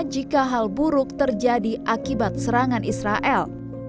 jika hal buruk terjadi akibat serangan israel